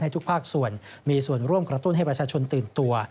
ทุกภาคส่วนมีส่วนร่วมกระตุ้นให้ประชาชนตื่นตัว